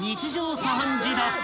茶飯事だった］